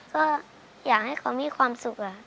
ก็อยากให้เขาปลอดภัย